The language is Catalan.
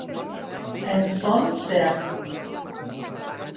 En son ser.